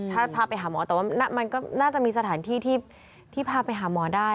ถ้าพาไปหาหมอแต่ว่ามันก็น่าจะมีสถานที่ที่พาไปหาหมอได้